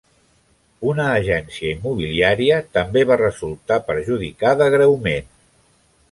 Una agència immobiliària també va resultar perjudicada greument.